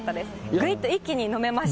ぐいっと一気に飲めました。